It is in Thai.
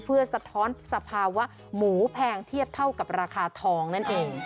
เพื่อสะท้อนสภาวะหมูแพงเทียบเท่ากับราคาทองนั่นเอง